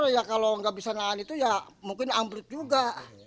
ya bagian kantor kalau tidak bisa menahan itu ya mungkin ambruk juga